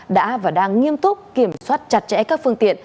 đã và đang nghiêm túc kiểm soát chặt chẽ các phương tiện